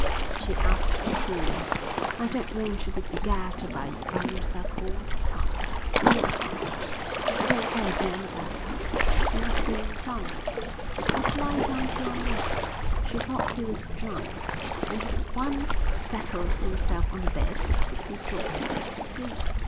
she asked coolly. "I don't want you to gad about by yourself all the time." "You're not asked." "I don't care a damn about that. You're not going without me." "You'd better lie down till I'm ready." She thought he was drunk and if he once settled himself on the bed would quickly drop off to sleep.